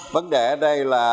vấn đề ở đây là